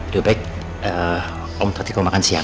dulu baik om tarik lo makan siang